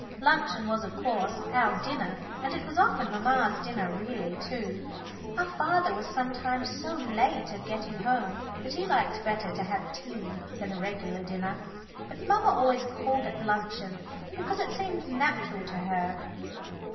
Luncheon was, of course, our dinner, and it was often mamma's dinner really too. Our father was sometimes so late of getting home that he liked better to have tea than a regular dinner. But mamma always called it luncheon because it seemed natural to her.